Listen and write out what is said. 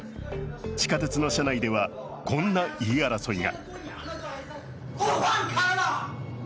地下鉄の車内ではこんな言い争いが。